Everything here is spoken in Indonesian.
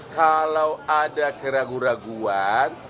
kalau ada keraguan keraguan